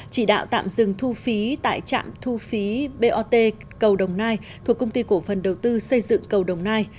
chỉ đạo tạm dừng thu phí tại trạm thu phí bot cầu đồng nai thuộc công ty cổ phần đầu tư xây dựng cầu đồng nai